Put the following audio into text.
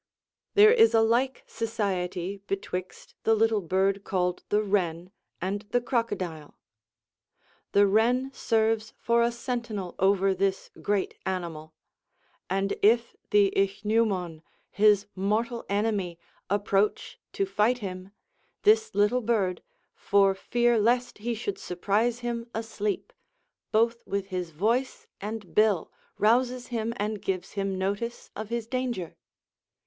There is a like society betwixt the little bird called the wren and the crocodile. The wren serves for a sentinel over this great animal; and if the ichneumon, his mortal enemy, approach to fight him, this little bird, for fear lest he should surprise him asleep, both with his voice and bill rouses him and gives him notice of his danger.